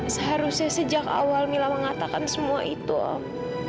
seharusnya sejak awal mila mengatakan semua itu om